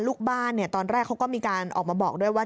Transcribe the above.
ลูกบ้านตอนแรกเขาก็มีการออกมาบอกด้วยว่า